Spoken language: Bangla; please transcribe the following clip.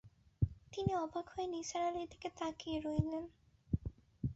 তিনি অবাক হয়ে নিসার আলির দিকে তাকিয়ে রইলেন।